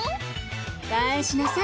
返しなさい。